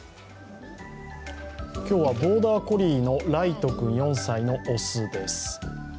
今日は、ボーダーコリーのライト君４歳の雄です。